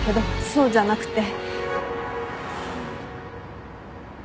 そうじゃなくて。